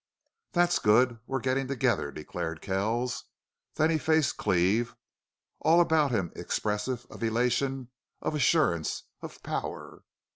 "That's good. We're getting together," declared Kells. Then he faced Cleve, all about him expressive of elation, of assurance, of power.